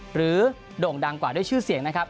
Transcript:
โด่งดังกว่าด้วยชื่อเสียงนะครับ